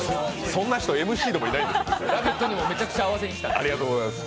そんな人、ＭＣでもいないです